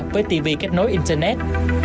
với tv kết nối internet